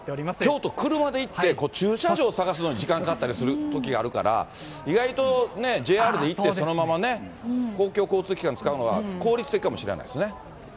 京都、車で行って、駐車場探すのに時間かかったりするときがあるから、意外とＪＲで行ってそのままね、公共交通機関使うのは、効率的かもしれないですね。